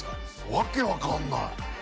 訳わかんない。